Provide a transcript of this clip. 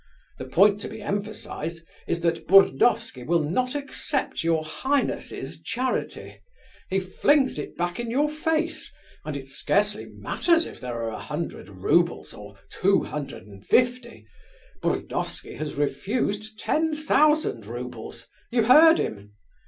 The point to be emphasized is that Burdovsky will not accept your highness's charity; he flings it back in your face, and it scarcely matters if there are a hundred roubles or two hundred and fifty. Burdovsky has refused ten thousand roubles; you heard him.